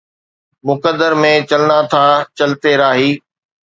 مقدر مين چلنا ٿا چلتي راهي